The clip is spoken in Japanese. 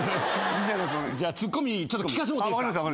じゃあツッコミ聞かしてもうていいですか。